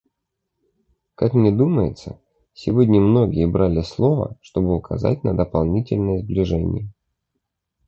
Как мне думается, сегодня многие брали слово, чтобы указать на дополнительное сближение.